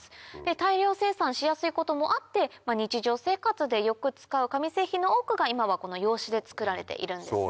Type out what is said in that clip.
大量生産しやすいこともあって日常生活でよく使う紙製品の多くが今はこの洋紙で作られているんですね。